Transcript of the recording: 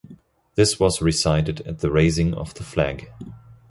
This was recited at the raising of the flag.